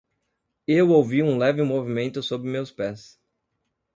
Eu ouvi um leve movimento sob meus pés.